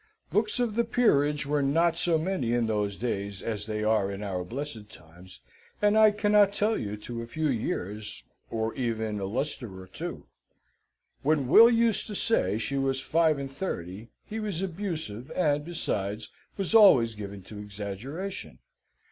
Books of the Peerage were not so many in those days as they are in our blessed times, and I cannot tell to a few years, or even a lustre or two. When Will used to say she was five and thirty, he was abusive, and, besides, was always given to exaggeration.